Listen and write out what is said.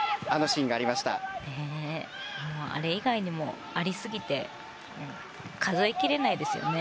あれ以外にもありすぎて数えきれないですよね。